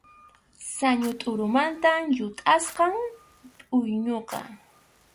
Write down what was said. Sañu tʼurumanta llutʼasqam pʼuyñuqa.